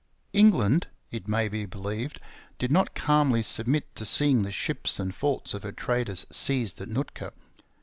England, it may be believed, did not calmly submit to seeing the ships and forts of her traders seized at Nootka.